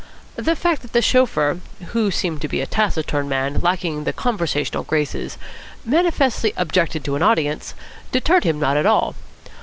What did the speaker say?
The fact that the chauffeur, who seemed to be a taciturn man, lacking the conversational graces, manifestly objected to an audience, deterred him not at all.